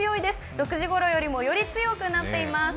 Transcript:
６時ごろよりもより強くなっています。